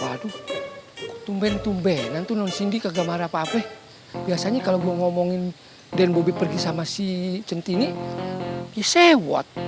waduh kok tumben tumbenan tuh non sindi kegak marah apa apa ya biasanya kalau gue ngomongin dan bobi pergi sama si centini ya sewot